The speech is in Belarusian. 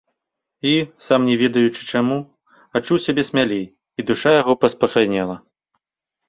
І, сам не ведаючы чаму, адчуў сябе смялей, і душа яго паспакайнела.